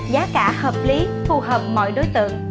giá cả hợp lý phù hợp mọi đối tượng